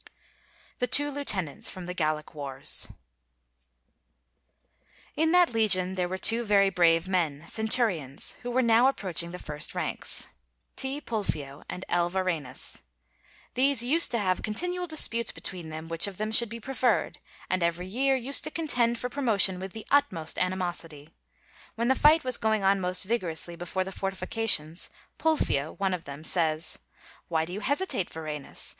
THE TWO LIEUTENANTS From 'The Gallic Wars' In that legion there were two very brave men, centurions, who were now approaching the first ranks, T. Pulfio and L. Varenus. These used to have continual disputes between them which of them should be preferred, and every year used to contend for promotion with the utmost animosity. When the fight was going on most vigorously before the fortifications, Pulfio, one of them, says: "Why do you hesitate, Varenus?